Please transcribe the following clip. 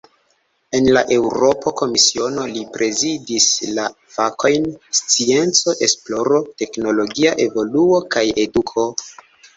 En la Eŭropa Komisiono, li prezidis la fakojn "scienco, esploro, teknologia evoluo kaj eduko".